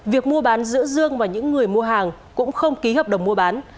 việc mua bán giữa dương và những người mua hàng cũng không ký hợp đồng mua bán